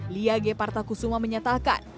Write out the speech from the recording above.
lia geparta kusuma menyatakan